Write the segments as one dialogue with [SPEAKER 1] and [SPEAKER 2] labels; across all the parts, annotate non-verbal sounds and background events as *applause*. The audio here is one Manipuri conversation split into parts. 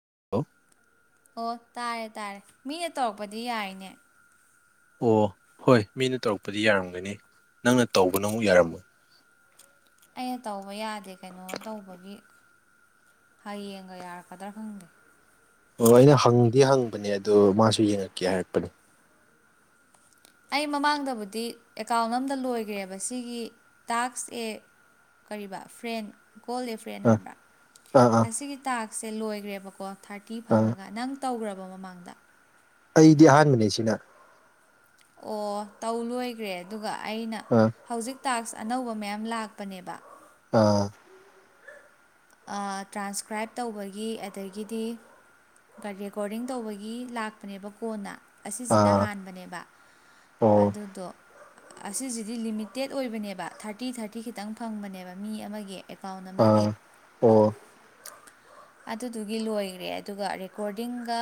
[SPEAKER 1] *unintelligible*
[SPEAKER 2] ꯑꯣ ꯇꯥꯔꯦ ꯇꯥꯔꯦ ꯃꯤꯅ ꯇꯧꯔꯛꯄꯗꯤ ꯌꯥꯏꯅꯦ
[SPEAKER 1] ꯑꯣ ꯍꯣꯏ ꯃꯤꯅ ꯇꯧꯔꯛꯄꯗꯤ ꯌꯥꯔꯝꯒꯅꯤ ꯅꯪꯅ ꯇꯧꯕꯅ ꯑꯃꯨꯛ ꯌꯥꯔꯝꯃꯣꯏ
[SPEAKER 2] ꯑꯩꯅ ꯇꯧꯕ ꯌꯥꯗꯦ ꯀꯩꯅꯣ ꯇꯧꯕꯒꯤ ꯍꯌꯦꯡꯒ ꯌꯥꯔꯛꯀꯗ꯭ꯔꯥ ꯈꯪꯗꯦ
[SPEAKER 1] ꯑꯣ ꯑꯩꯅ ꯍꯪꯗꯤ ꯍꯪꯕꯅꯦ ꯑꯗꯣ ꯃꯥꯁꯨ ꯌꯦꯡꯉꯛꯀꯦ ꯍꯥꯏꯔꯛꯄꯅꯦ
[SPEAKER 2] ꯑꯩ ꯃꯃꯥꯡꯗꯕꯨꯗꯤ ꯑꯦꯀꯥꯎꯟ ꯑꯝꯗ ꯂꯣꯏꯈ꯭ꯔꯦꯕ ꯁꯤꯒꯤ ꯇꯥꯛꯁ ꯑꯦ ꯀꯔꯤꯕ ꯐ꯭ꯔꯦꯟ ꯀꯣꯜ ꯑꯦꯐ ꯇ꯭ꯔꯦꯟ
[SPEAKER 1] ꯑꯥ
[SPEAKER 2] ꯍꯥꯏꯕ꯭ꯔꯥ
[SPEAKER 1] ꯑꯥ ꯑꯥ
[SPEAKER 2] ꯑꯁꯤꯒꯤ ꯇꯥꯛꯁꯁꯦ ꯂꯣꯏꯈ꯭ꯔꯦꯕꯀꯣ ꯊꯥꯔꯇꯤ
[SPEAKER 1] ꯑꯥ
[SPEAKER 2] ꯐꯪꯉꯒ ꯅꯪ ꯇꯧꯈ꯭ꯔꯕ ꯃꯃꯥꯡꯗ
[SPEAKER 1] ꯑꯩꯗꯤ ꯑꯍꯥꯟꯕꯅꯦ ꯁꯤꯅ
[SPEAKER 2] ꯑꯣ ꯇꯧ ꯂꯣꯏꯈ꯭ꯔꯦ ꯑꯗꯨꯒ ꯑꯩꯅ
[SPEAKER 1] ꯑ
[SPEAKER 2] ꯍꯧꯖꯤꯛ ꯇꯥꯛꯁ ꯑꯅꯧꯕ ꯃꯌꯥꯝ ꯂꯥꯛꯄꯅꯦꯕ
[SPEAKER 1] ꯑꯥ
[SPEAKER 2] ꯑꯥ ꯇ꯭ꯔꯥꯟꯁꯀ꯭ꯔꯥꯏꯞ ꯇꯧꯕꯒꯤ ꯑꯗꯒꯤꯗꯤ ꯔꯦꯀꯣꯔꯗꯤꯡ ꯇꯧꯕꯒꯤ ꯂꯥꯛꯄꯅꯦꯕ ꯀꯣꯟꯅ ꯑꯁꯤꯁꯤꯅ
[SPEAKER 1] ꯑꯥ
[SPEAKER 2] ꯍꯥꯟꯕꯅꯦꯕ
[SPEAKER 1] ꯑꯣ
[SPEAKER 2] ꯑꯗꯨꯗꯣ ꯑꯁꯤꯁꯤꯗꯤ ꯂꯤꯃꯤꯇꯦꯠ ꯑꯣꯏꯕꯅꯦꯕ ꯊꯥꯔꯇꯤ ꯊꯥꯔꯇꯤ ꯈꯤꯇꯪ ꯐꯪꯕꯅꯦꯕ ꯃꯤ ꯑꯃꯒꯤ ꯑꯦꯀꯥꯎꯟ
[SPEAKER 1] ꯑꯥ
[SPEAKER 2] ꯑꯃꯒꯤ
[SPEAKER 1] ꯑꯣ
[SPEAKER 2] ꯑꯗꯨꯗꯨꯒꯤ ꯂꯣꯏꯈꯔꯦ ꯑꯗꯨꯒ ꯔꯦꯀꯣꯔꯗꯤꯡꯒ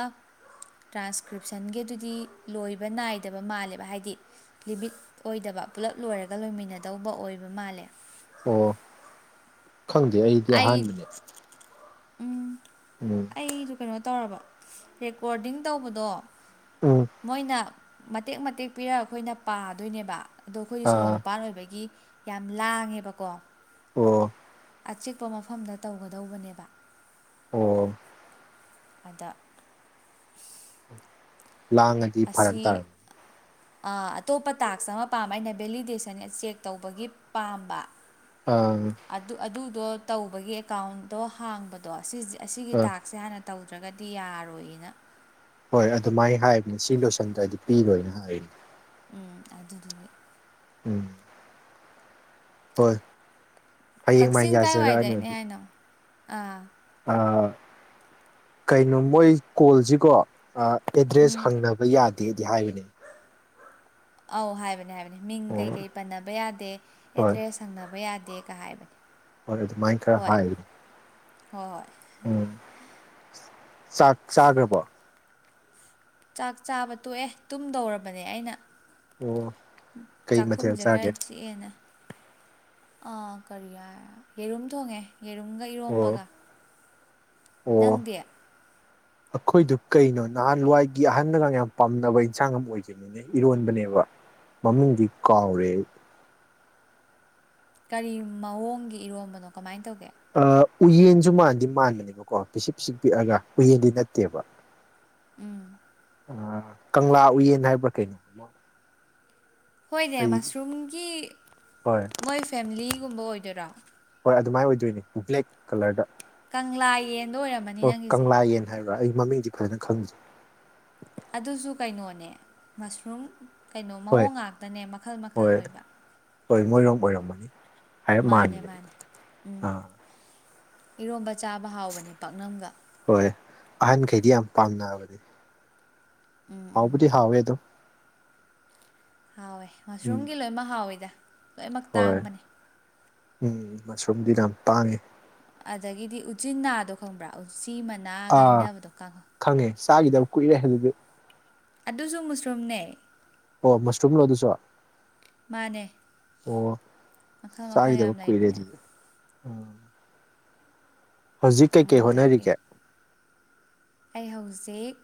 [SPEAKER 2] ꯇ꯭ꯔꯥꯟꯁꯀ꯭ꯔꯤꯞꯁꯟꯒꯤꯗꯨꯗꯤ ꯂꯣꯏꯕ ꯅꯥꯏꯗꯕ ꯃꯥꯜꯂꯦꯕ ꯍꯥꯏꯗꯤ ꯂꯤꯃꯤꯠ ꯑꯣꯏꯗꯕ ꯄꯨꯂꯞ ꯂꯣꯏꯔꯒ ꯂꯣꯏꯃꯤꯟꯅꯗꯧꯕ ꯑꯣꯏꯕ ꯃꯥꯜꯂꯦ
[SPEAKER 1] ꯑꯣ ꯈꯪꯗꯦ ꯑꯩꯗꯤ
[SPEAKER 2] ꯑꯩ
[SPEAKER 1] ꯑꯍꯥꯟꯕꯅꯦ
[SPEAKER 2] ꯎꯝ
[SPEAKER 1] ꯎꯝ
[SPEAKER 2] ꯑꯩꯗꯣ ꯀꯩꯅꯣ ꯇꯧꯔꯕ ꯔꯦꯀꯣꯔꯗꯤꯡ ꯇꯧꯕꯗꯣ
[SPEAKER 1] ꯎꯝ
[SPEAKER 2] ꯃꯣꯏꯅ ꯃꯇꯦꯛ ꯃꯇꯦꯛ ꯄꯤꯔ ꯑꯩꯈꯣꯏꯅ ꯄꯥꯗꯣꯏꯅꯦꯕ ꯑꯗꯣ ꯑꯩꯈꯣꯏꯗꯤ ꯁꯣꯔꯣꯛ
[SPEAKER 1] ꯑꯥ
[SPEAKER 2] ꯃꯄꯥꯟ ꯑꯣꯏꯕꯒꯤ ꯌꯥꯝ ꯂꯥꯡꯉꯦꯕꯀꯣ
[SPEAKER 1] ꯑꯣꯑꯣ
[SPEAKER 2] ꯑꯆꯤꯛꯄ ꯃꯐꯝꯗ ꯇꯧꯒꯗꯧꯕꯅꯦꯕ
[SPEAKER 1] ꯑꯣꯑꯣ
[SPEAKER 2] ꯑꯥꯗ INAUDIBLE
[SPEAKER 1] ꯂꯥꯡꯉꯗꯤ ꯐꯔꯛ
[SPEAKER 2] ꯑꯥꯁꯤ
[SPEAKER 1] ꯇꯥꯔꯝꯃꯦ
[SPEAKER 2] ꯑꯥ ꯑꯇꯣꯞꯄ ꯇꯥꯛꯁ ꯑꯃ ꯄꯥꯕ ꯑꯩꯅ ꯚꯦꯂꯤꯗꯦꯁꯟ ꯆꯦꯛ ꯇꯧꯕꯒꯤ ꯄꯥꯕ
[SPEAKER 1] ꯑꯥꯑꯪ
[SPEAKER 2] ꯑꯗꯨ ꯑꯗꯨꯗꯣ ꯇꯧꯕꯒꯤ ꯑꯦꯀꯥꯎꯟꯗꯣ ꯍꯥꯡꯕꯗꯣ ꯁꯤꯖꯦ ꯑꯁꯤꯒꯤ
[SPEAKER 1] ꯑꯥ
[SPEAKER 2] ꯇꯥꯛꯁꯦ ꯍꯥꯟꯅ ꯇꯧꯗ꯭ꯔꯒꯗꯤ ꯌꯥꯔꯣꯏꯑꯅ
[SPEAKER 1] ꯍꯣꯏ ꯑꯗꯨꯃꯥꯏ ꯍꯥꯏꯕꯅꯦ ꯁꯤ ꯂꯣꯏꯁꯟꯗ꯭ꯔꯥꯗꯤ ꯄꯤꯔꯣꯏꯅ ꯍꯥꯏ
[SPEAKER 2] ꯎꯪ ꯑꯗꯨꯗꯨꯒꯤ
[SPEAKER 1] ꯎꯪ ꯍꯣꯏ ꯍꯌꯦꯡ ꯃꯥꯏ
[SPEAKER 2] ꯀꯛꯆꯤꯡ
[SPEAKER 1] ꯌꯥꯖꯔꯛꯑꯅꯤ
[SPEAKER 2] ꯀꯥꯏꯋꯥꯏꯗꯩꯅꯦ
[SPEAKER 1] ꯑꯗꯨ
[SPEAKER 2] ꯍꯥꯏꯅꯣ ꯑꯥ
[SPEAKER 1] ꯑꯥ ꯀꯩꯅꯣ ꯃꯣꯏ ꯀꯣꯜꯖꯤꯀꯣ ꯑꯥ
[SPEAKER 2] ꯎꯝ
[SPEAKER 1] ꯑꯦꯗ꯭ꯔꯦꯁ ꯍꯪꯅꯕ ꯌꯥꯗꯦꯗꯤ ꯍꯥꯏꯕꯅꯦ
[SPEAKER 2] ꯑꯧ ꯍꯥꯏꯕꯅꯦ ꯍꯥꯏꯕꯅꯦ ꯃꯤꯡ
[SPEAKER 1] ꯑꯣ
[SPEAKER 2] ꯀꯩꯀꯩ ꯄꯟꯅꯕ ꯌꯥꯗꯦ
[SPEAKER 1] ꯍꯣꯏ
[SPEAKER 2] ꯑꯦꯗ꯭ꯔꯦꯁ ꯍꯪꯅꯕ ꯌꯥꯗꯦꯒ ꯍꯥꯏꯕꯅꯦ
[SPEAKER 1] ꯍꯣꯏ ꯑꯗꯨꯃꯥꯏ ꯈꯔ
[SPEAKER 2] ꯍꯣꯏ
[SPEAKER 1] ꯍꯥꯏ
[SPEAKER 2] ꯍꯣꯏ ꯍꯣꯏ
[SPEAKER 1] ꯎꯪ ꯆꯥꯛ ꯆꯥꯒ꯭ꯔꯕꯣ
[SPEAKER 2] ꯆꯥꯛ ꯆꯥꯕ ꯇꯣꯛꯑꯦ ꯇꯨꯝꯗꯧꯔꯕꯅꯦ ꯑꯩꯅ
[SPEAKER 1] ꯑꯣ ꯀꯩ ꯃꯊꯦꯜ
[SPEAKER 2] ꯆꯥꯛꯈꯨꯝꯖꯦ ꯈꯔ
[SPEAKER 1] ꯆꯥꯒꯦ
[SPEAKER 2] ꯆꯤꯛꯑꯦꯅ ꯑꯥ ꯀꯔꯤ ꯌꯥꯏ ꯌꯦꯔꯨꯝ ꯊꯣꯡꯉꯦ ꯌꯦꯔꯨꯝꯒ
[SPEAKER 1] ꯑꯣ
[SPEAKER 2] ꯏꯔꯣꯝꯕꯒ
[SPEAKER 1] ꯑꯣ
[SPEAKER 2] ꯅꯪꯗꯤ
[SPEAKER 1] ꯑꯩꯈꯣꯏꯗꯨ ꯀꯩꯅꯣ ꯅꯍꯥꯟꯋꯥꯏꯒꯤ ꯑꯍꯟꯅꯒ ꯌꯥꯝ ꯄꯥꯝꯅꯕ ꯏꯟꯁꯥꯡ ꯑꯃ ꯑꯣꯏꯒꯤꯝꯅꯤ ꯢ ꯏꯔꯣꯟꯕꯅꯦꯕ ꯃꯃꯤꯡꯗꯤ ꯀꯥꯎꯔꯦ ꯑꯩ
[SPEAKER 2] ꯀꯔꯤ ꯃꯑꯣꯡꯒꯤ ꯏꯔꯣꯝꯕꯅꯣ ꯀꯃꯥꯏꯅ ꯇꯧꯒꯦ
[SPEAKER 1] ꯑꯥ ꯎꯌꯦꯟꯖꯨ ꯃꯥꯟꯗꯤ ꯃꯥꯟꯕꯅꯦꯕꯀꯣ ꯄꯤꯁꯤꯛ ꯄꯤꯁꯤꯛ ꯄꯤꯛꯑꯒ ꯎꯌꯦꯟꯗꯤ ꯅꯠꯇꯦꯕ
[SPEAKER 2] ꯎꯪ
[SPEAKER 1] ꯑꯥ ꯀꯪꯂꯥ ꯎꯌꯦꯟ ꯍꯥꯏꯕ꯭ꯔꯥ ꯀꯩꯅꯣ
[SPEAKER 2] ꯍꯣꯏꯅꯦ
[SPEAKER 1] ꯑꯩ
[SPEAKER 2] ꯃꯁꯔꯨꯝꯒꯤ
[SPEAKER 1] ꯍꯣꯏ
[SPEAKER 2] ꯃꯣꯏ ꯐꯦꯝꯂꯤꯒꯨꯝꯕ ꯑꯣꯏꯗꯣꯏꯔ
[SPEAKER 1] ꯍꯣꯏ ꯑꯗꯨꯃꯥꯏ ꯑꯣꯏꯗꯣꯏꯅꯦ ꯕ꯭ꯂꯦꯛ ꯀꯂꯔꯗ
[SPEAKER 2] ꯀꯪꯂꯥ ꯌꯦꯟꯗꯣ ꯑꯣꯏꯔꯝꯃꯅꯤ
[SPEAKER 1] ꯑꯣ
[SPEAKER 2] ꯅꯪꯒꯤꯁꯦ
[SPEAKER 1] ꯀꯪꯂꯥ ꯌꯦꯟ ꯍꯥꯏꯕ꯭ꯔꯥ ꯑꯩ ꯃꯃꯤꯡꯖꯤ ꯐꯖꯅ ꯈꯪꯗꯦ
[SPEAKER 2] ꯑꯗꯨꯖꯨ ꯀꯩꯅꯣꯅꯦ ꯃꯁꯔꯨꯝ ꯀꯩꯅꯣ
[SPEAKER 1] ꯍꯣꯏ
[SPEAKER 2] ꯃꯑꯣꯡ ꯉꯥꯛꯇꯅꯦ ꯃꯈꯜ ꯃꯈꯜ
[SPEAKER 1] ꯍꯣꯏ
[SPEAKER 2] ꯑꯣꯏꯕ
[SPEAKER 1] ꯍꯣꯏ ꯃꯣꯏꯔꯣꯝ ꯑꯣꯏꯔꯝꯃꯅꯤ ꯍꯥꯏꯔꯞ
[SPEAKER 2] ꯃꯥꯅꯦ
[SPEAKER 1] ꯃꯥꯟꯕꯅꯦ
[SPEAKER 2] ꯃꯥꯅꯦ ꯎꯝ
[SPEAKER 1] ꯑꯥ
[SPEAKER 2] ꯏꯔꯣꯝꯕ ꯆꯥꯕ ꯍꯥꯎꯕꯅꯦ ꯄꯥꯛꯅꯝꯒ
[SPEAKER 1] ꯍꯣꯏ ꯑꯍꯟꯈꯩꯗꯤ ꯌꯥꯝ ꯄꯥꯝꯅꯕꯅꯤ ꯍꯥꯎꯕꯨꯗꯤ- ꯍꯥꯎꯋꯦ ꯑꯗꯨꯝ
[SPEAKER 2] ꯍꯥꯎꯋꯦ
[SPEAKER 1] ꯎꯝ
[SPEAKER 2] ꯃꯁꯔꯨꯝꯒꯤ ꯂꯣꯏꯅꯃꯛ ꯍꯥꯎꯋꯤꯗ ꯂꯣꯏꯅꯃꯛ ꯇꯥꯡꯕꯅꯦ
[SPEAKER 1] ꯎꯎꯪ ꯃꯁꯔꯨꯝꯗꯤ ꯌꯥꯝ ꯇꯥꯡꯉꯤ
[SPEAKER 2] ꯑꯗꯒꯤꯗꯤ ꯎꯆꯤꯅꯥꯗꯣ ꯈꯪꯕ꯭ꯔꯥ ꯎꯆꯤ ꯃꯥ
[SPEAKER 1] ꯑꯥꯑ ꯈꯪꯉꯦ ꯆꯥꯒꯤꯗꯕ ꯀꯨꯏꯔꯦ ꯑꯗꯨꯗꯤ
[SPEAKER 2] ꯑꯗꯨꯖꯨ ꯃꯨꯁꯔꯨꯝꯅꯦ
[SPEAKER 1] ꯑꯣ ꯃꯁꯔꯨꯝ ꯂꯣ ꯑꯗꯨꯖꯨ
[SPEAKER 2] ꯃꯥꯅꯦ
[SPEAKER 1] ꯑꯣꯑꯣ
[SPEAKER 2] ꯃꯈꯜ ꯃꯈꯜ
[SPEAKER 1] ꯆꯥꯒꯤꯗꯕ
[SPEAKER 2] ꯌꯥꯝ
[SPEAKER 1] ꯀꯨꯏꯔꯦ
[SPEAKER 2] ꯂꯩꯕꯅꯦ
[SPEAKER 1] ꯑꯗꯨꯗꯤ ꯑ ꯍꯧꯖꯤꯛ ꯀꯩꯀꯩ
[SPEAKER 2] ꯎꯝ ꯑꯗꯒꯤ
[SPEAKER 1] ꯍꯣꯠꯅꯔꯤꯒꯦ
[SPEAKER 2] ꯑꯩ ꯍꯧꯖꯤꯛ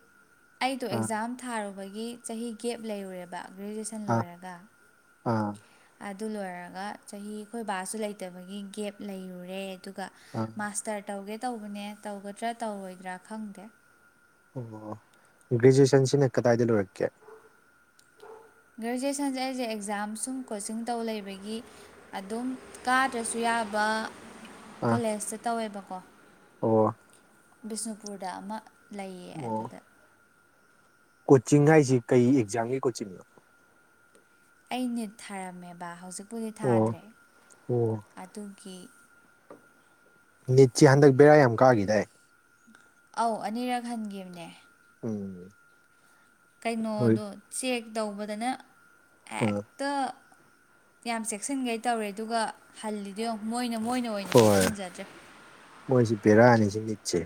[SPEAKER 2] ꯑꯩꯗꯣ
[SPEAKER 1] ꯑꯥ
[SPEAKER 2] ꯑꯦꯛꯖꯥꯝ ꯊꯥꯔꯨꯕꯒꯤ ꯆꯍꯤ ꯒꯦꯞ ꯂꯩꯔꯨꯔꯦꯕ ꯒ꯭ꯔꯦꯖꯨꯑꯦꯁꯟ ꯁꯟ
[SPEAKER 1] ꯑꯥ
[SPEAKER 2] ꯂꯣꯏꯔꯒ
[SPEAKER 1] ꯑꯥ
[SPEAKER 2] ꯑꯗꯨ ꯂꯣꯏꯔꯒ ꯆꯍꯤ ꯑꯩꯈꯣꯏ ꯕꯥꯁꯨ ꯂꯩꯇꯕꯒꯤ ꯒꯦꯞ ꯂꯩꯔꯨꯔꯦ ꯑꯗꯨꯒ
[SPEAKER 1] ꯑꯥ
[SPEAKER 2] ꯑꯗꯨꯒ ꯃꯥꯁꯇꯔ ꯇꯧꯒꯦ ꯇꯧꯕꯅꯦ ꯇꯧꯒꯗ꯭ꯔꯥ ꯇꯧꯔꯣꯏꯗ꯭ꯔꯥ ꯈꯪꯗꯦ
[SPEAKER 1] ꯑꯣ ꯒ꯭ꯔꯦꯖꯨꯋꯦꯁꯟꯁꯤꯅ ꯀꯗꯥꯏꯗ ꯂꯣꯏꯔꯛꯀꯦ
[SPEAKER 2] ꯒ꯭ꯔꯦꯖꯨꯑꯦꯁꯟꯁꯦ ꯑꯩꯁꯦ ꯑꯦꯛꯖꯥꯝ ꯁꯨꯝ ꯀꯣꯆꯤꯡ ꯇꯧ ꯂꯩꯕꯒꯤ ꯑꯗꯨꯝ ꯀꯥꯗ꯭ꯔꯁꯨ ꯌꯥꯕ
[SPEAKER 1] ꯑꯥ
[SPEAKER 2] ꯀꯣꯂꯦꯖꯇ ꯇꯧꯋꯦꯕꯀꯣ
[SPEAKER 1] ꯑꯣ
[SPEAKER 2] ꯕꯤꯁꯅꯨꯄꯨꯔꯗ ꯑꯃ ꯂꯩꯌꯦ
[SPEAKER 1] ꯑꯣ
[SPEAKER 2] ꯑꯗꯨꯗ
[SPEAKER 1] ꯀꯣꯆꯤꯡ ꯍꯥꯏꯁꯤ ꯀꯩ ꯑꯦꯛꯖꯥꯝꯒꯤ ꯀꯣꯆꯤꯡꯅꯣ
[SPEAKER 2] ꯑꯩ ꯅꯤꯠ ꯊꯥꯔꯝꯃꯦꯕ ꯍꯧꯖꯤꯛꯄꯨꯗꯤ
[SPEAKER 1] ꯑꯣ
[SPEAKER 2] ꯊꯥꯗ꯭ꯔꯦ
[SPEAKER 1] ꯑꯣ
[SPEAKER 2] ꯑꯗꯨꯒꯤ
[SPEAKER 1] ꯅꯤꯠꯁꯤ ꯍꯟꯗꯛ ꯕꯦꯔꯥ ꯌꯥꯝ ꯀꯥꯈꯤꯗꯏ
[SPEAKER 2] ꯑꯧ ꯑꯅꯤꯔꯛ ꯍꯟꯈꯤꯕꯅꯦ
[SPEAKER 1] ꯎꯝ ꯍꯣꯏ
[SPEAKER 2] ꯀꯩꯅꯣꯗꯣ ꯆꯦꯛ ꯇꯧꯕꯗꯅ
[SPEAKER 1] ꯑꯣ
[SPEAKER 2] ꯇꯥ ꯌꯥꯝ ꯆꯦꯛꯁꯤꯟꯈꯩ ꯇꯧꯔꯦ ꯑꯗꯨꯒ ꯍꯜꯂꯤꯗꯣ ꯃꯣꯏ ꯃꯣꯏꯅ ꯅ ꯑꯣꯏꯅ ꯆꯦꯛꯁꯤꯟꯖꯗ꯭ꯔꯦ
[SPEAKER 1] ꯃꯣꯏꯁꯤꯦꯕꯦꯔꯥꯅꯤꯁꯤ ꯅꯤꯠꯁꯦ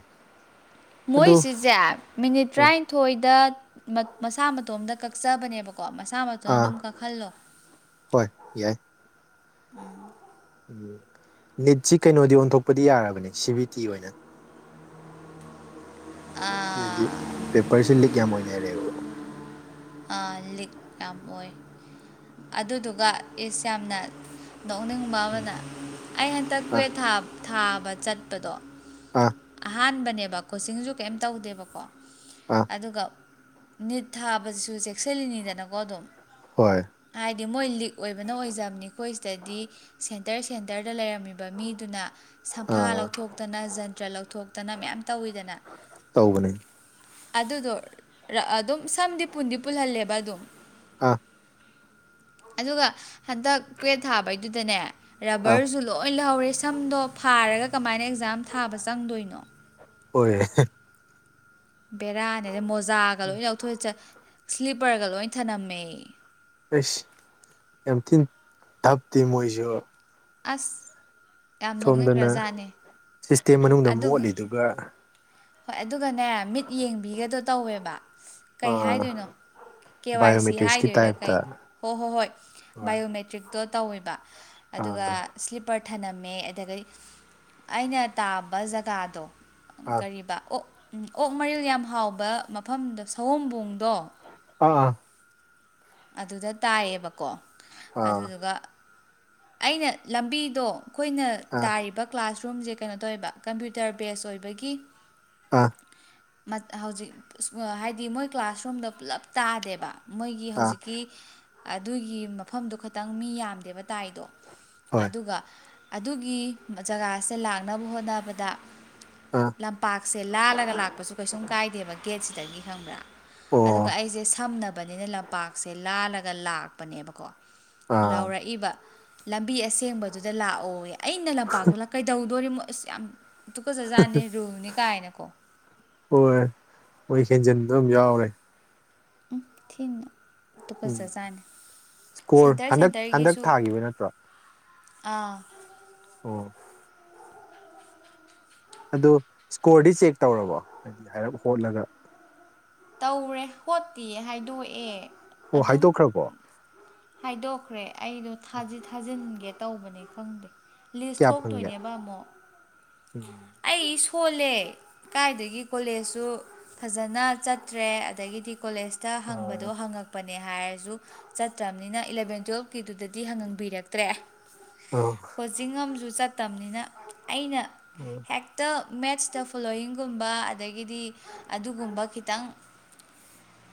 [SPEAKER 1] ꯑꯗꯨ
[SPEAKER 2] ꯃꯣꯏꯁꯤꯁꯦ ꯃꯤꯅꯤꯠ ꯇꯔꯥꯅꯤꯊꯣꯏꯗ ꯃꯁꯥ ꯃꯇꯣꯝꯗ ꯀꯛꯆꯕꯅꯦꯕꯀꯣ ꯀꯣ ꯃꯁꯥ ꯃꯇꯅ
[SPEAKER 1] ꯑꯥ
[SPEAKER 2] ꯑꯗꯨꯝ ꯀꯛꯍꯜꯂꯣ
[SPEAKER 1] ꯍꯣꯏ ꯌꯥꯏ ꯎꯝ ꯅꯤꯠꯁꯤ ꯀꯩꯅꯣꯗꯤ ꯑꯣꯟꯊꯣꯛꯄꯗꯤ ꯌꯥꯔꯕꯅꯦ ꯁꯤ ꯚꯕꯤ ꯇꯤ ꯑꯣꯏꯅ
[SPEAKER 2] ꯑꯥ
[SPEAKER 1] ꯍꯥꯏꯗꯤ ꯄꯦꯄꯔꯁꯦ ꯂꯤꯛ ꯌꯥꯝ ꯑꯣꯏꯅꯔꯦꯕ
[SPEAKER 2] ꯂꯤꯛ ꯌꯥꯝ ꯑꯣꯏ ꯑꯗꯨꯗꯨꯒ ꯏꯁ ꯌꯥꯝꯅ ꯅꯣꯛꯅꯤꯡ ꯕ
[SPEAKER 1] ꯎꯝ
[SPEAKER 2] ꯑꯃꯅ ꯑꯩ ꯍꯟꯇꯛ
[SPEAKER 1] ꯑ
[SPEAKER 2] ꯀꯨꯋꯦ ꯊꯥꯕ ꯆꯠꯄꯗꯣ
[SPEAKER 1] ꯑꯥ
[SPEAKER 2] ꯑꯍꯥꯟꯕꯅꯦꯕ ꯀꯣ ꯆꯤꯡꯁꯨ ꯀꯩꯝ ꯇꯧꯗꯦꯕꯀꯣ
[SPEAKER 1] ꯑꯥ
[SPEAKER 2] ꯑꯗꯨꯒ ꯅꯤꯠ ꯊꯥꯕꯁꯤꯁꯨ ꯆꯦꯛꯁꯤꯜꯂꯤꯅꯤꯗꯅꯀꯣ ꯑꯗꯨꯝ
[SPEAKER 1] ꯍꯣꯢ
[SPEAKER 2] ꯍꯥꯏꯗꯤ ꯃꯣꯏ ꯂꯤꯛ ꯑꯣꯏꯕꯅ ꯑꯣꯏꯖꯕꯅꯤ ꯑꯩꯈꯣꯏ ꯁꯤꯗꯗꯤ ꯁꯦꯟꯇꯔ ꯁꯦꯟꯇꯔꯗ ꯂꯩꯔꯝꯃꯤꯕ ꯃꯤꯗꯨꯅ ꯁꯝꯐꯥ
[SPEAKER 1] ꯑꯥ
[SPEAKER 2] ꯂꯧꯊꯣꯛꯇꯅ ꯖꯟꯇ꯭ꯔ ꯂꯧꯊꯣꯛꯇꯅ ꯃꯌꯥꯝ ꯇꯧꯋꯤꯗꯅ
[SPEAKER 1] ꯇꯧꯕꯅꯦ
[SPEAKER 2] ꯑꯗꯨꯗꯣ ꯑꯗꯨꯝ ꯁꯝꯗꯤ ꯄꯨꯟꯗꯤ ꯄꯨꯜꯍꯜꯂꯦꯕ ꯑꯗꯨꯝ
[SPEAKER 1] ꯑꯥ
[SPEAKER 2] ꯑꯗꯨꯒ ꯍꯟꯗꯛ ꯀꯨꯋꯦꯠ ꯊꯥꯕꯩꯗꯨꯗꯅꯦ
[SPEAKER 1] ꯑꯥ
[SPEAKER 2] ꯔꯕꯔꯁꯨ ꯂꯣꯏ ꯂꯧꯍꯧꯔꯦ ꯁꯝꯗꯣ ꯐꯥꯔꯒ ꯀꯃꯥꯏꯅ ꯑꯦꯛꯖꯥꯝ ꯊꯥꯕ ꯆꯪꯗꯣꯏꯅꯣ
[SPEAKER 1] ꯍꯣꯏ
[SPEAKER 2] ꯕꯦꯔꯥꯅꯦꯗ ꯃꯣꯖꯥꯒ ꯂꯣꯏ ꯂꯧꯊꯣꯛꯏꯁꯠ ꯁ꯭ꯂꯤꯞꯄꯔꯒ ꯂꯣꯏ ꯊꯅꯝꯃꯦ
[SPEAKER 1] ꯏꯁ ꯌꯥꯝ ꯊꯤꯅ ꯗꯞꯇꯤ ꯃꯣꯏꯖꯨ
[SPEAKER 2] ꯑꯁ ꯌꯥꯝ
[SPEAKER 1] ꯁꯣꯝꯗꯅ
[SPEAKER 2] ꯅꯣꯛꯅꯤꯡꯒ꯭ꯔꯖꯥꯠꯅꯦ
[SPEAKER 1] ꯁꯤꯁꯇꯦꯝ ꯃꯅꯨꯡꯗ ꯃꯣꯠꯂꯤꯗꯨꯒ
[SPEAKER 2] ꯍꯣꯏ ꯑꯗꯨꯒꯅꯦ ꯃꯤꯠ ꯌꯦꯡꯕꯤꯒꯗꯣ ꯇꯧꯋꯦꯕ ꯀꯩ
[SPEAKER 1] ꯑꯥ
[SPEAKER 2] ꯍꯥꯏꯗꯣꯏꯅꯣ ꯀꯦ ꯋꯥꯏ ꯁꯤ
[SPEAKER 1] ꯕꯥꯏꯑꯣꯃꯦꯇ꯭ꯔꯤꯛꯁꯀꯤ
[SPEAKER 2] ꯍꯥꯏꯗꯣꯏꯔꯥ
[SPEAKER 1] ꯇꯥꯏꯞꯇ
[SPEAKER 2] ꯀꯩꯅꯣ ꯍꯣ ꯍꯣꯏ - ꯍꯣꯏ
[SPEAKER 1] ꯍꯣꯏ
[SPEAKER 2] ꯕꯥꯏꯑꯣꯃꯦꯇ ꯇ꯭ꯔꯤꯛꯇꯣ ꯇꯧꯋꯦꯕ ꯑꯗꯨꯒ
[SPEAKER 1] ꯑꯥ
[SPEAKER 2] ꯁ꯭ꯂꯤꯞꯄꯔ ꯊꯅꯝꯃꯦ ꯑꯗꯗꯩ ꯑꯩꯅ ꯇꯥꯕ ꯖꯒꯥꯗꯣ
[SPEAKER 1] ꯑꯥ
[SPEAKER 2] ꯏꯕ ꯑꯣꯛ ꯎꯝ ꯑꯣꯛ ꯃꯔꯤꯜ ꯌꯥꯝ ꯍꯥꯎꯕ ꯃꯐꯝꯗꯣ ꯁꯋꯣꯝꯕꯨꯡꯗꯣ
[SPEAKER 1] ꯑꯥ ꯑꯥ
[SPEAKER 2] ꯑꯗꯨꯗ ꯇꯥꯏꯌꯦꯕꯀꯣ
[SPEAKER 1] ꯑꯥ
[SPEAKER 2] ꯑꯗꯨꯗꯨꯒ ꯑꯩꯅ ꯂꯝꯕꯤꯗꯣ ꯑꯩꯈꯣꯏꯅ
[SPEAKER 1] ꯑꯥ
[SPEAKER 2] ꯇꯥꯔꯤꯕ ꯀ꯭ꯂꯥꯁꯔꯨꯝꯖꯦ ꯀꯩꯅꯣ ꯇꯧꯋꯦꯕ ꯀꯝꯄ꯭ꯌꯨꯇꯔ ꯕꯦꯁ ꯑꯣꯏꯕꯒꯤ
[SPEAKER 1] ꯑꯥ
[SPEAKER 2] ꯃꯠ ꯍꯧꯖꯤꯛ ꯑꯁ ꯋꯥ ꯍꯥꯏꯗꯤ ꯃꯣꯏ ꯀ꯭ꯂꯥꯁꯔꯨꯝꯗ ꯄꯨꯜꯂꯞ ꯇꯥꯗꯦꯕ ꯃꯣꯏꯒꯤ
[SPEAKER 1] ꯑꯥ
[SPEAKER 2] ꯍꯧꯖꯤꯛ ꯑꯗꯨꯒꯤ ꯃꯐꯝꯗꯨ ꯈꯇꯪ ꯃꯤ ꯌꯥꯝꯗꯦꯕ ꯇꯥꯏꯗꯣ
[SPEAKER 1] ꯍꯣꯏ
[SPEAKER 2] ꯑꯗꯨꯒ ꯑꯗꯨꯒꯤ ꯎꯝ ꯖꯒꯥꯁꯦ ꯂꯥꯛꯅꯕ ꯍꯣꯠꯅꯕꯗ
[SPEAKER 1] ꯑꯥ
[SPEAKER 2] ꯂꯝꯄꯥꯛꯁꯦ ꯂꯥꯜꯂꯒ ꯂꯥꯛꯄꯁꯨ ꯀꯩꯁꯨꯝ ꯀꯥꯏꯗꯦꯕ ꯒꯦꯠꯁꯤꯗꯒꯤ ꯈꯪꯕ꯭ꯔꯥ
[SPEAKER 1] ꯑꯣ
[SPEAKER 2] ꯑꯗꯨꯒ ꯑꯩꯁꯦ ꯁꯝꯅꯕꯅꯤꯅ ꯂꯝꯄꯥꯛꯁꯦ ꯂꯥꯜꯂꯒ ꯂꯥꯛꯄꯅꯦꯕꯀꯣ
[SPEAKER 1] ꯑꯥ
[SPEAKER 2] ꯂꯥꯎꯔꯛꯏꯕ ꯂꯝꯕꯤ ꯑꯁꯦꯡꯕꯗꯨꯗ ꯂꯥꯛꯑꯣꯌꯦ ꯑꯩꯅ ꯂꯝꯄꯥꯛꯇꯨꯗ ꯀꯩꯗꯧꯗꯣꯔꯤꯃꯣ__ ꯑꯁ ꯌꯥꯝ ꯇꯨꯀꯖꯥꯠꯅꯤ ꯔꯨꯜꯅꯤ ꯀꯥꯏꯅꯀꯣ
[SPEAKER 1] ꯍꯣꯏ ꯃꯣꯏ ꯍꯦꯟꯖꯟꯕꯝ ꯌꯥꯎꯔꯦ
[SPEAKER 2] ꯎꯝ ꯊꯤꯅ
[SPEAKER 1] ꯎꯝ
[SPEAKER 2] ꯇꯨꯀꯠꯖꯆꯥꯅꯤ
[SPEAKER 1] ꯏꯁꯀꯣꯔ
[SPEAKER 2] ꯁꯦꯟꯇꯔ
[SPEAKER 1] ꯍꯟꯗꯛ ꯍꯟꯗꯛ
[SPEAKER 2] ꯁꯦꯟꯇꯔꯒꯤꯁꯨ
[SPEAKER 1] ꯊꯥꯈꯤꯕ ꯅꯠꯇ꯭ꯔꯣ
[SPEAKER 2] ꯑꯥ
[SPEAKER 1] ꯑꯣ ꯑꯗꯨ ꯁꯀꯣꯔꯗꯤ ꯆꯦꯛ ꯇꯧꯔꯕꯣ ꯍꯥꯏꯗꯤ ꯍꯥꯏꯔꯞ ꯍꯣꯠꯂꯒ
[SPEAKER 2] ꯇꯧꯔꯦ ꯍꯣꯠꯇꯤꯌꯦ ꯍꯥꯏꯗꯣꯛꯑꯦ
[SPEAKER 1] ꯑꯣ
[SPEAKER 2] ꯑꯗꯨꯝ
[SPEAKER 1] ꯍꯥꯏꯗꯣꯛꯈ꯭ꯔꯕꯣ
[SPEAKER 2] ꯍꯥꯏꯗꯣꯛꯈ꯭ꯔꯦ ꯑꯩꯗꯣ
[SPEAKER 1] ꯑꯣ
[SPEAKER 2] ꯊꯥꯗꯤ ꯊꯥꯖꯤꯟꯒꯦ ꯇꯧꯕꯅꯤ ꯈꯪꯗꯦ ꯂꯤꯁ
[SPEAKER 1] ꯀꯌꯥ ꯐꯪꯒꯦ
[SPEAKER 2] ꯊꯣꯛꯇꯣꯏꯅꯦꯕ ꯑꯃꯨꯛ
[SPEAKER 1] ꯎꯝ
[SPEAKER 2] ꯑꯩ ꯁꯣꯜꯂꯦ ꯀꯥꯏꯗꯒꯤ ꯀꯣꯂꯦꯖꯁꯨ ꯐꯖꯅ ꯆꯠ__ ꯇ꯭ꯔꯦ ꯑꯗꯒꯤꯗꯤ ꯀꯣꯂꯦꯖꯇ ꯍꯪꯕꯗꯣ
[SPEAKER 1] ꯑꯥ
[SPEAKER 2] ꯍꯪꯉꯛ__ ꯄꯅꯦ ꯍꯥꯏꯔꯁꯨ ꯆꯠꯇ꯭ꯔꯝꯅꯤꯅ ꯏꯂꯚꯦꯟ ꯇꯨꯌꯦꯜꯞꯀꯤꯗꯨꯗꯗꯤ ꯍꯪꯍꯟꯕꯤꯔꯛꯇ꯭ꯔꯦ
[SPEAKER 1] ꯑꯣ
[SPEAKER 2] ꯀꯣꯆꯤꯡ ꯑꯝꯖꯨ ꯆꯠꯇꯝꯅꯤꯅ ꯑꯩꯅ
[SPEAKER 1] ꯎꯝ
[SPEAKER 2] ꯍꯦꯛꯇ ꯃꯦꯠꯁꯇ ꯐꯣꯂꯣꯋꯤꯡꯒꯨꯝꯕ ꯑꯗꯒꯤꯗꯤ ꯑꯗꯨꯒꯨꯝꯕ ꯈꯤꯇꯪ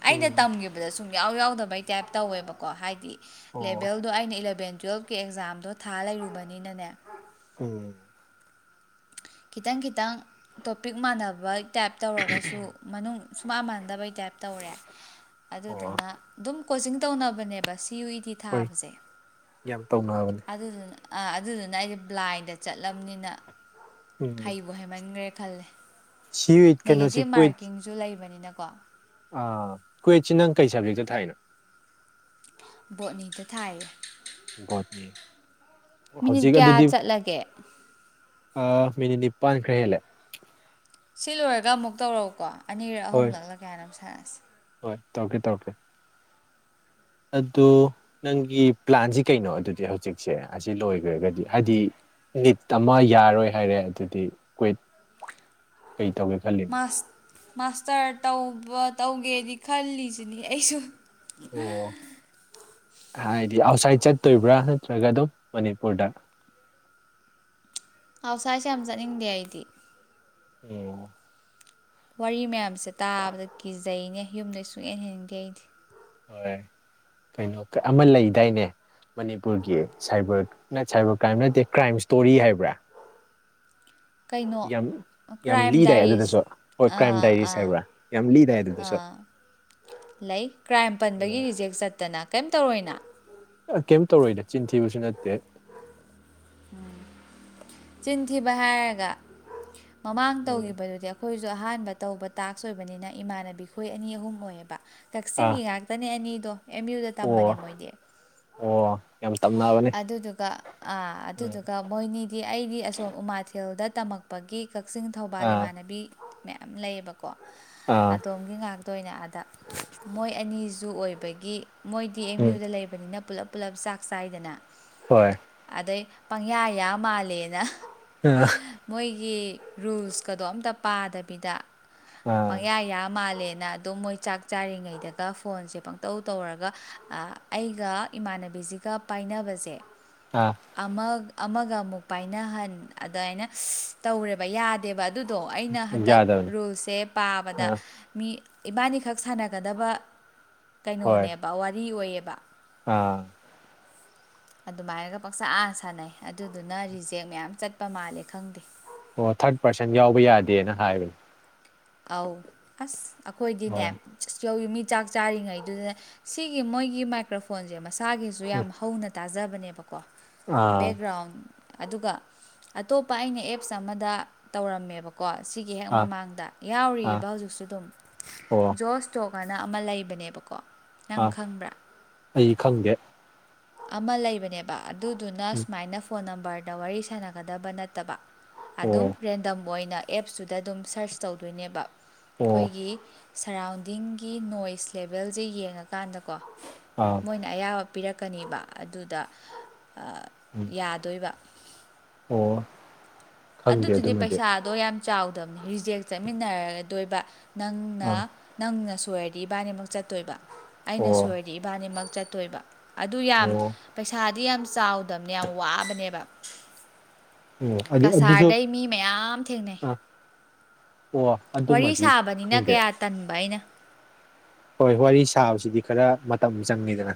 [SPEAKER 2] ꯑꯩꯅ ꯇꯝꯒꯤꯕꯗ ꯁꯨꯡ ꯌꯥꯎ ꯌꯥꯎꯗꯕꯩ ꯇꯥꯏꯞ ꯇꯧꯋꯦꯕꯀꯣ ꯍꯥꯏꯗꯤ
[SPEAKER 1] ꯑꯣ
[SPEAKER 2] ꯂꯦꯚꯦꯜꯗꯣ ꯑꯩꯅ ꯏꯂꯚꯦꯟ ꯇꯨꯌꯦꯜꯐꯀꯤ ꯑꯦꯛꯖꯥꯝꯗꯣ ꯊꯥ ꯂꯩꯔꯨꯕꯅꯤꯅꯅꯦ
[SPEAKER 1] ꯎꯝ
[SPEAKER 2] ꯈꯤꯇꯪ ꯈꯤꯇꯪ ꯇꯣꯄꯤꯛ ꯃꯥꯟꯅꯕ ꯇꯥꯏꯞ ꯇꯧꯔꯒꯁꯨ ꯃꯅꯨꯡ ꯁꯨꯃ ꯃꯥꯟꯗꯕꯩ ꯇꯥꯏꯞ ꯇꯧꯔꯦ
[SPEAKER 1] ꯑꯣ
[SPEAKER 2] ꯑꯗꯨꯗꯨꯅ ꯑꯗꯨꯝ ꯀꯣꯆꯤꯡ ꯇꯧꯅꯕꯅꯦꯕ ꯁꯤ ꯌꯨ ꯏ ꯇꯤ
[SPEAKER 1] ꯍꯣꯏ
[SPEAKER 2] ꯊꯥꯕꯁꯦ
[SPEAKER 1] ꯌꯥꯝ ꯇꯧꯅꯕꯅꯦ
[SPEAKER 2] ꯑꯗꯨꯗꯨꯅ ꯑꯥ ꯑꯗꯨꯗꯨꯅ ꯑꯩꯖꯦ ꯕ꯭ꯂꯥꯏꯟꯗ ꯆꯠꯂꯝꯅꯤꯅ
[SPEAKER 1] ꯎꯝ
[SPEAKER 2] ꯍꯩꯕꯨ ꯍꯩꯃꯟꯒ꯭ꯔꯦ ꯈꯜꯂꯦ
[SPEAKER 1] ꯁꯤ ꯀꯩꯅꯣꯁꯤ
[SPEAKER 2] ꯅꯦꯒꯦꯇꯤꯞ
[SPEAKER 1] ꯀ꯭ꯋꯦꯠ
[SPEAKER 2] ꯃꯥꯔꯀꯤꯡꯖꯨ ꯂꯩꯕꯅꯤꯅꯀꯣ
[SPEAKER 1] ꯑꯥ ꯀꯨꯋꯦꯠꯁꯤ ꯅꯪ ꯀꯩ ꯁꯞꯖꯦꯛꯇ ꯊꯥꯏꯅꯣ
[SPEAKER 2] ꯕꯣꯠꯅꯤꯗ ꯊꯥꯏꯌꯦ
[SPEAKER 1] ꯕꯣꯠꯅꯤ
[SPEAKER 2] ꯃꯤꯅꯤꯠ
[SPEAKER 1] ꯍꯧꯖꯤꯛ
[SPEAKER 2] ꯀꯌꯥ
[SPEAKER 1] ꯑꯗꯨꯗꯤ
[SPEAKER 2] ꯆꯠꯂꯒꯦ
[SPEAKER 1] ꯑꯥ ꯃꯤꯅꯤꯠ ꯅꯤꯄꯥꯥꯟ ꯈꯔ ꯍꯦꯜꯂꯦ
[SPEAKER 2] ꯁꯤ ꯂꯣꯏꯔꯒ ꯑꯃꯨꯛ ꯇꯧꯔꯛꯎꯀꯣ ꯑꯅꯤꯔꯛ
[SPEAKER 1] ꯍꯣꯏ
[SPEAKER 2] ꯑꯍꯨꯝꯂꯛꯂ ꯀꯌꯥꯅꯣꯝ ꯁꯥꯟꯅꯁꯤ
[SPEAKER 1] ꯍꯣꯏ ꯇꯧꯔꯛꯀꯦ ꯇꯧꯔꯛꯀꯦ ꯑꯗꯣ ꯅꯪꯒꯤ ꯄ꯭ꯂꯥꯟꯁꯤ ꯀꯩꯅꯣ ꯑꯗꯨꯗꯤ ꯍꯧꯖꯤꯛꯁꯦ ꯑꯁꯤ ꯂꯣꯏꯒ꯭ꯔꯒꯗꯤ ꯍꯥꯏꯗꯤ ꯅꯤꯠ ꯑꯃ ꯌꯥꯔꯣꯏ ꯍꯥꯏꯔꯦ ꯑꯗꯨꯗꯤ ꯀꯋꯤꯠ ꯀꯩ ꯇꯧꯒꯦ ꯈꯜꯂꯤ
[SPEAKER 2] ꯑꯁ ꯃꯥꯁꯇꯔ ꯇꯧꯕ ꯇꯧꯒꯦꯗꯤ ꯈꯜꯂꯤꯁꯤꯅꯤ ꯑꯩꯁꯨ
[SPEAKER 1] ꯑꯣ ꯍꯥꯏꯗꯤ ꯑꯥꯎꯠꯁꯥꯏꯠ ꯆꯠꯇꯣꯏꯕ꯭ꯔꯥ ꯅꯠꯇ꯭ꯔꯒ ꯑꯗꯨꯝ ꯃꯅꯤꯄꯨꯔꯗ
[SPEAKER 2] ꯑꯥꯎꯠꯁꯥꯏꯠ ꯁꯤ ꯌꯥꯝ ꯆꯥꯠꯅꯤꯡꯗꯦ ꯑꯩꯗꯤ
[SPEAKER 1] *unintelligible*
[SPEAKER 2] ꯋꯥꯔꯤ ꯃꯌꯥꯝꯁꯦ ꯇꯥꯕꯗ ꯀꯤꯖꯩꯅꯦ ꯌꯨꯝꯗꯩ ꯁꯨꯡꯍꯦꯟ ꯍꯦꯟꯅꯤꯡꯗꯦ ꯑꯩꯗꯤ
[SPEAKER 1] ꯍꯣꯏ ꯀꯩꯅꯣ ꯑꯃ ꯂꯩꯗꯥꯏꯅꯦ ꯃꯅꯤꯄꯨꯔꯒꯤ ꯁꯥꯏꯕꯔ ꯅ ꯁꯥꯏꯕꯔ ꯀ꯭ꯔꯥꯏꯝ ꯅꯠꯇꯦ ꯀ꯭ꯔꯥꯏꯝ ꯏꯁ꯭ꯇꯣꯔꯤ ꯍꯥꯏꯕ꯭ꯔꯥ
[SPEAKER 2] ꯀꯩꯅꯣ
[SPEAKER 1] ꯌꯥꯝ ꯌꯥꯝ
[SPEAKER 2] ꯀ꯭ꯔꯥꯏꯝ
[SPEAKER 1] ꯂꯤꯗꯥꯏ
[SPEAKER 2] ꯗꯥꯏꯔꯤꯁ
[SPEAKER 1] ꯑꯗꯨꯗꯁꯨ ꯍꯣꯏ ꯀ꯭ꯔꯥꯏꯝ
[SPEAKER 2] ꯑꯥ
[SPEAKER 1] ꯗꯥꯏꯔꯤꯁ
[SPEAKER 2] ꯑꯥ
[SPEAKER 1] ꯍꯥꯏꯕ꯭ꯔꯥ ꯌꯥꯝ ꯂꯤꯗꯥꯏ ꯑꯗꯨꯗꯁꯨ
[SPEAKER 2] ꯑꯥ ꯂꯩ ꯀ꯭ꯔꯥꯏꯝ ꯄꯟꯕꯒꯤ ꯔꯤꯖꯦꯛ ꯆꯠꯇꯅ ꯀꯩꯝ ꯇꯧꯔꯏꯅ
[SPEAKER 1] ꯑ ꯀꯩꯝ ꯇꯧꯔꯣꯏꯗ ꯆꯤꯟ ꯊꯤꯕꯁꯨ ꯅꯠꯇꯦ
[SPEAKER 2] ꯎꯝ ꯆꯤꯟ ꯊꯤꯕ ꯍꯥꯏꯔꯒ ꯃꯃꯥꯡ
[SPEAKER 1] ꯎꯝ
[SPEAKER 2] ꯇꯧꯒꯤꯕꯗꯨꯗꯤ ꯑꯈꯣꯏꯁꯨ ꯑꯍꯥꯟꯕ ꯇꯧꯕ ꯇꯥꯛꯁ ꯑꯣꯏꯕꯅꯤꯅ ꯏꯃꯥꯟꯅꯕꯤꯈꯣꯏ ꯑꯅꯤ ꯑꯍꯨꯝ ꯑꯣꯏꯌꯦꯕ
[SPEAKER 1] ꯑꯥ
[SPEAKER 2] ꯀꯛꯆꯤꯡꯒꯤ ꯉꯥꯛ ꯇꯥꯅꯦ ꯑꯅꯤꯗꯣ ꯑꯦꯝ ꯌꯨꯗ
[SPEAKER 1] ꯑꯣ
[SPEAKER 2] ꯇꯝꯕꯅꯦ ꯃꯣꯏꯗꯤ
[SPEAKER 1] ꯑꯣ ꯌꯥꯝ ꯇꯝꯅꯕꯅꯤ
[SPEAKER 2] ꯑꯗꯨꯗꯨꯒ ꯑꯥ ꯑꯗꯨꯗꯨꯒ ꯃꯣꯏꯅꯤꯗꯤ ꯑꯩꯗꯤ ꯑꯁꯣꯝ ꯎꯃꯥꯊꯦꯜꯗ ꯇꯝꯃꯛꯄꯒꯤ ꯀꯛꯆꯤꯡ ꯊꯧꯕꯥꯜ
[SPEAKER 1] ꯑꯥ
[SPEAKER 2] ꯏꯃꯥꯟꯅꯕꯤ ꯃꯌꯥꯝ ꯂꯩꯌꯦꯕꯀꯣ
[SPEAKER 1] ꯑꯥ
[SPEAKER 2] ꯑꯗꯣꯝꯒꯤ ꯉꯥꯛ ꯇꯣꯏꯅ ꯑꯥꯗ ꯃꯣꯏ ꯑꯅꯤꯁꯨ ꯑꯣꯏꯕꯒꯤ ꯃꯣꯏꯗꯤ ꯑꯦꯝ
[SPEAKER 1] ꯎꯝ
[SPEAKER 2] ꯌꯨꯗ ꯂꯩꯕꯅꯤꯅ ꯄꯨꯂꯞ ꯄꯨꯂꯞ ꯆꯥꯛ ꯆꯥꯏꯗꯅ
[SPEAKER 1] ꯍꯣꯏ
[SPEAKER 2] ꯑꯗꯩ ꯄꯪꯌꯥ ꯌꯥ ꯃꯥꯜꯂꯦꯅ
[SPEAKER 1] *unintelligible*
[SPEAKER 2] ꯃꯣꯏꯒꯤ ꯔꯨꯜꯁꯀꯗꯣ ꯑꯝꯇ ꯄꯥꯗꯕꯤꯗ
[SPEAKER 1] ꯑꯥ
[SPEAKER 2] ꯄꯪꯌꯥ ꯌꯥ ꯃꯥꯜꯂꯦꯅ ꯑꯗꯨꯝ ꯃꯣꯏ ꯆꯥꯛ ꯆꯥꯔꯤꯉꯩꯗꯒ ꯐꯣꯟꯁꯦ ꯄꯪꯇꯧ ꯇꯧꯔꯒ ꯑꯩꯒ ꯏꯃꯥꯟꯅꯕꯤꯁꯤ ꯒ ꯄꯥꯏꯅꯕꯁꯦ
[SPEAKER 1] ꯑꯥ
[SPEAKER 2] ꯑꯃ ꯑꯃꯒ ꯃꯨꯛ ꯄꯥꯏꯅꯍꯟ ꯑꯗꯥꯏꯅ ꯇꯧꯔꯦ ꯕ ꯌꯥꯗꯦꯕ ꯑꯗꯨꯗꯣ ꯑꯩꯅ ꯍꯟꯗꯛ
[SPEAKER 1] ꯌꯥꯗꯕꯅꯤ
[SPEAKER 2] ꯔꯨꯜꯁꯦ ꯄꯥꯕꯗ
[SPEAKER 1] ꯑꯥ
[SPEAKER 2] ꯃꯤ ꯏꯕꯥꯟꯅꯤꯈꯛ ꯁꯥꯟꯅꯒꯗꯕ
[SPEAKER 1] ꯍꯣꯏ
[SPEAKER 2] ꯀꯩꯅꯣꯅꯦꯕ ꯋꯥꯔꯤ ꯑꯣꯏꯌꯦꯕ
[SPEAKER 1] ꯑꯥ
[SPEAKER 2] ꯑꯗꯨꯃꯥꯏꯅꯒ ꯄꯥꯛꯁꯥ ꯁꯥꯟꯅꯩ ꯑꯗꯨꯗꯨꯅ ꯔꯤꯖꯦꯛ ꯃꯌꯥꯝ ꯆꯠꯄ ꯃꯥꯜꯂꯦ ꯈꯪꯗꯦ
[SPEAKER 1] ꯑꯣ ꯊꯥꯔꯠ ꯄꯔꯁꯟ ꯌꯥꯎꯕ ꯌꯥꯗꯦꯅ ꯍꯥꯏꯕꯅꯦ
[SPEAKER 2] ꯑꯧ ꯑꯁ ꯑꯩꯈꯣꯏꯗꯤꯅꯦ
[SPEAKER 1] ꯍꯣꯏ
[SPEAKER 2] ꯌꯧꯋꯤ ꯃꯤ ꯆꯥꯛ ꯆꯥꯔꯤꯉꯩꯗꯨꯗ ꯁꯤꯒꯤ ꯃꯣꯏꯒꯤ ꯃꯥꯏꯀ꯭ꯔꯣꯐꯣꯟꯁꯦ ꯃꯁꯥꯒꯤꯁꯨ ꯌꯥꯝ
[SPEAKER 1] ꯎꯝ
[SPEAKER 2] ꯍꯧꯅ ꯇꯥꯖꯕꯅꯦꯕꯀꯣ
[SPEAKER 1] ꯑꯥ
[SPEAKER 2] ꯕꯦꯛꯒ꯭ꯔꯥꯎꯟ ꯑꯗꯨꯒ ꯑꯇꯣꯞꯄ ꯑꯩꯅ ꯑꯦꯞꯁ ꯑꯃꯗ ꯇꯧꯔꯝꯃꯦꯕꯀꯣ ꯁꯤꯒꯤ ꯍꯦꯛ
[SPEAKER 1] ꯑꯥ
[SPEAKER 2] ꯃꯃꯥꯡꯗ
[SPEAKER 1] ꯑꯥ
[SPEAKER 2] ꯌꯥꯎꯔꯤꯕ ꯍꯧꯖꯤꯛꯁꯨ ꯗꯨꯝ
[SPEAKER 1] ꯑꯣ
[SPEAKER 2] ꯖꯣꯁꯇꯣꯛ ꯍꯥꯏꯅ ꯑꯃ ꯂꯩꯕꯅꯦꯕꯀꯣ ꯅꯪ
[SPEAKER 1] ꯑꯥ
[SPEAKER 2] ꯈꯪꯕ꯭ꯔꯥ
[SPEAKER 1] ꯑꯩ ꯈꯪꯗꯦ
[SPEAKER 2] ꯑꯃ ꯂꯩꯕꯅꯦꯕ ꯑꯗꯨꯗꯨꯅ
[SPEAKER 1] ꯎꯝ
[SPEAKER 2] ꯁꯨꯃꯥꯏꯅ ꯐꯣꯟ ꯅꯝꯕꯔꯗ ꯋꯥꯔꯤ ꯁꯥꯟꯅꯒꯗꯕ ꯅꯠꯇꯕ ꯑꯗꯨꯝ
[SPEAKER 1] ꯑꯣ
[SPEAKER 2] ꯔꯦꯟꯗꯝ ꯑꯣꯏꯅ ꯑꯦꯞꯁꯇꯨꯗ ꯑꯗꯨꯝ ꯁꯔꯁ ꯇꯧꯗꯣꯏꯅꯦꯕ
[SPEAKER 1] ꯑꯣ
[SPEAKER 2] ꯑꯩꯈꯣꯏꯒꯤ ꯁꯔꯥꯎꯟꯗꯤꯡꯒꯤ ꯅꯣꯏꯁ ꯂꯦꯕꯦꯜꯖꯦ ꯌꯦꯡꯉꯀꯥꯟꯗꯀꯣ
[SPEAKER 1] ꯑꯥ
[SPEAKER 2] ꯑꯩꯈꯣꯏꯅ ꯑꯌꯥꯕ ꯄꯤꯔꯛꯀꯅꯤꯕ ꯑꯗꯨꯗ ꯑꯥ
[SPEAKER 1] ꯎꯝ
[SPEAKER 2] ꯌꯥꯗꯣꯏꯕ
[SPEAKER 1] ꯑꯣ ꯈꯪꯗꯦ
[SPEAKER 2] ꯑꯗꯨꯗꯨꯗꯤ
[SPEAKER 1] ꯑꯗꯨꯃꯗꯤ
[SPEAKER 2] ꯄꯩꯁꯥꯗꯣ ꯌꯥꯝ ꯆꯥꯎꯗꯝꯅꯤ ꯔꯤꯖꯦꯛ ꯆꯠꯃꯤꯟꯅꯔꯗꯣꯏꯕ ꯅꯪꯅ
[SPEAKER 1] ꯑꯥ
[SPEAKER 2] ꯅꯪꯅ ꯁꯣꯏꯔꯗꯤ ꯏꯕꯥꯅꯤꯃꯛ ꯆꯠꯇꯣꯏꯕ
[SPEAKER 1] ꯑꯣ
[SPEAKER 2] ꯑꯩꯅ ꯁꯣꯏꯔꯗꯤ ꯏꯕꯥꯅꯤꯃꯛ ꯆꯠꯇꯣꯏꯕ ꯑꯗꯨ ꯌꯥꯝ
[SPEAKER 1] ꯑꯣ
[SPEAKER 2] ꯄꯩꯁꯥꯗꯤ ꯌꯥꯝ ꯆꯥꯎꯗꯝꯅꯦ ꯌꯥꯝ ꯋꯥꯕꯅꯦꯕ
[SPEAKER 1] ꯑꯣ ꯑꯗꯨ ꯑꯗꯨꯖꯨ
[SPEAKER 2] ꯀꯁꯥꯔꯗꯩ ꯃꯤ ꯃꯌꯥꯝ ꯊꯦꯡꯅꯩ
[SPEAKER 1] ꯑꯥ ꯑꯣ
[SPEAKER 2] ꯋꯥꯔꯤ
[SPEAKER 1] ꯑꯗꯨꯃꯗꯤ
[SPEAKER 2] ꯁꯥꯕꯅꯤꯅ
[SPEAKER 1] ꯈꯪꯗꯦ
[SPEAKER 2] ꯀꯌꯥ ꯇꯟꯕ ꯑꯩꯅ
[SPEAKER 1] ꯍꯣꯏ ꯋꯥꯔꯤ ꯁꯥꯕꯁꯤꯗꯤ ꯈꯔ ꯃꯇꯝ ꯆꯪꯉꯤꯗꯅ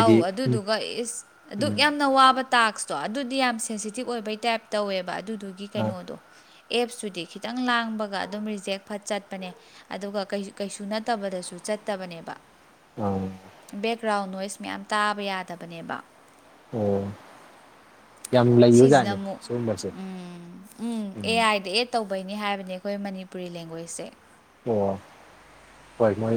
[SPEAKER 2] ꯑꯧ
[SPEAKER 1] ꯎꯝ
[SPEAKER 2] ꯑꯗꯨꯗꯨꯒ ꯏꯁ ꯑꯗꯨꯛ
[SPEAKER 1] ꯎꯝ
[SPEAKER 2] ꯌꯥꯝꯅ ꯋꯥꯕ ꯇꯥꯛꯁꯇꯣ ꯑꯗꯨꯗꯤ ꯌꯥꯝ ꯁꯦꯟꯁꯤꯇꯤꯞ ꯑꯣꯏꯕꯩ ꯇꯥꯏꯞ ꯇꯧꯋꯦꯕ ꯑꯗꯨꯗꯨꯒꯤ
[SPEAKER 1] ꯑꯥ
[SPEAKER 2] ꯀꯩꯅꯣꯗꯣ ꯑꯦꯞꯁꯇꯨꯗꯤ ꯈꯤꯇꯪ ꯂꯥꯡꯕꯒ ꯑꯗꯨꯝ ꯔꯤꯖꯦꯛ ꯐꯠ ꯆꯠꯄꯅꯦ ꯑꯗꯨꯒ ꯀꯩ ꯀꯩꯁꯨ ꯅꯠꯇꯕꯗꯁꯨ ꯆꯠꯇꯕꯅꯦꯕ
[SPEAKER 1] ꯑꯥ
[SPEAKER 2] ꯕꯦꯛꯒ꯭ꯔꯥꯎꯟ ꯅꯣꯏꯁ ꯃꯌꯥꯝ ꯇꯥꯕ ꯌꯥꯗꯕꯅꯦꯕ
[SPEAKER 1] ꯑꯣ ꯌꯥꯝ
[SPEAKER 2] ꯁꯤꯖꯤꯅ
[SPEAKER 1] ꯂꯩꯕꯖꯥꯠꯅꯤ
[SPEAKER 2] ꯑꯃꯨꯛ
[SPEAKER 1] ꯁꯤꯒꯨꯝꯕꯁꯦ
[SPEAKER 2] ꯎꯝ ꯎꯝ ꯑꯦ ꯑꯥꯏꯗ ꯑꯦꯠ ꯇꯧꯕꯩꯅꯦ ꯍꯥꯏꯕꯅꯦ ꯑꯩꯈꯣꯏ ꯃꯅꯤꯄꯨꯔꯤ ꯂꯦꯡꯒ꯭ꯋꯦꯖꯁꯦ
[SPEAKER 1] ꯑꯣ ꯍꯣꯏ ꯃꯣꯏ